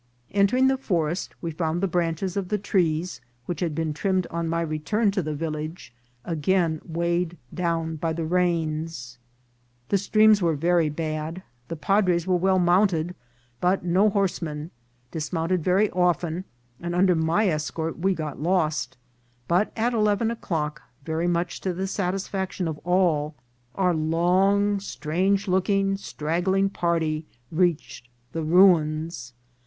Entering the foiest, we found the branches of the trees, which had been trimmed on my return to the vil lage, again weighed down by the rains ; the streams were very bad ; the padres were well mounted, but no horsemen, dismounted very often, and under my escort we got lost, but at eleven o'clock, very much to the sat isfaction of all, our long, strange looking, straggling party reached the ruins.